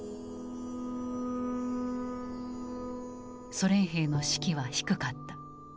ソ連兵の士気は低かった。